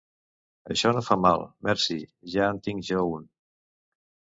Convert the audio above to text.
Això no fa mal, merci, ja en tinc jo un.